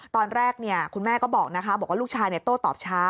ตอนแรกคุณแม่ก็บอกนะคะบอกว่าลูกชายโต้ตอบช้า